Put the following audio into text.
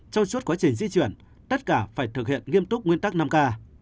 trong suốt quá trình di chuyển tất cả phải thực hiện nghiêm túc nguyên tắc năm k